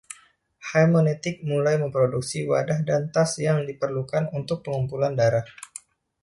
Haemonetics mulai memproduksi wadah dan tas yang diperlukan untuk pengumpulan darah.